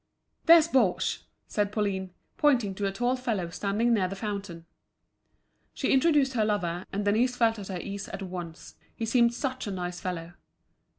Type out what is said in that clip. "There's Baugé," said Pauline, pointing to a tall fellow standing near the fountain. She introduced her lover, and Denise felt at her ease at once, he seemed such a nice fellow.